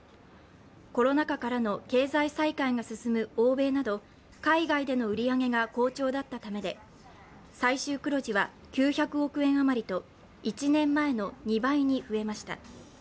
コロナ禍からの経済再開の進む欧米など海外での売り上げが好調だったためで最終黒字は９００億円余りと１年前の２倍に増えました。